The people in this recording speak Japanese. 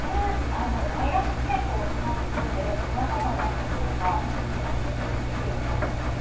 バイアステープを使うことでさまざまな作業がほんとに楽にできるようになってますね。